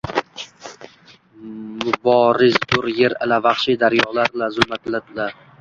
Muborizdur yer ila vahshiy daryolar-la zulmat-la